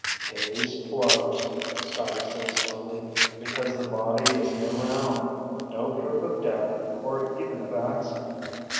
"Case closed," Scotty said slowly, "because the body isn't around. No proof of death, or even of accident.